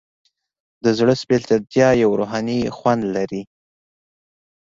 د زړه سپیڅلتیا یو روحاني خوند لري.